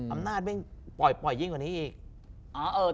อำนาจไม่ปล่อยยิ่งกว่านี้อีก